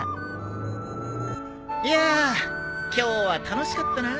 いや今日は楽しかったな。